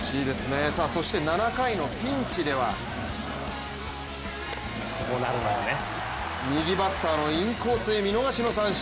そして７回のピンチでは右バッターのインコースへ見逃しの三振。